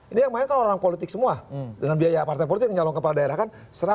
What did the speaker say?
ini yang main kalau orang politik semua dengan biaya partai politik nyalon kepala daerah kan seratus